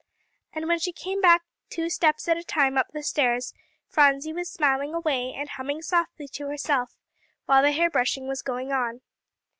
And when she came back two steps at a time up the stairs, Phronsie was smiling away, and humming softly to herself, while the hair brushing was going on.